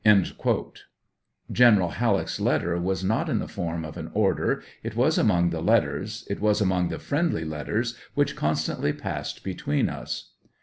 General Halleck's letter was not in the form of an order, It was among the letters — it was among the friendly letters which constantly passed between us.